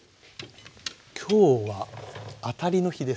今日は当たりの日です。